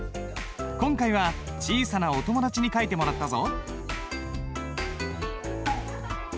今回は小さなお友達に書いてもらったぞ。